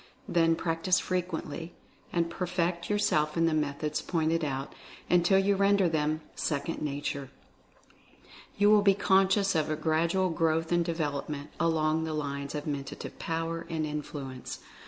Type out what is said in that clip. Then practice frequently, and perfect your self in the methods pointed out, until you render them "second nature." You will be conscious of a grad ual growth and development, along the lines of Men tative Power and Influence.